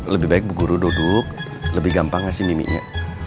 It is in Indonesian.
lebih baik bu guru duduk lebih gampang ngasih miminya